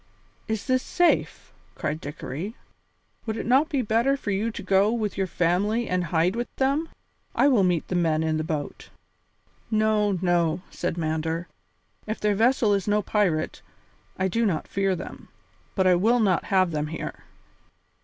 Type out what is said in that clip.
"Is this safe?" cried Dickory; "would it not be better for you to go with your family and hide with them? I will meet the men in the boat." "No, no," said Mander; "if their vessel is no pirate, I do not fear them. But I will not have them here."